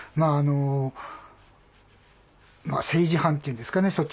あのまあ政治犯っていうんですかね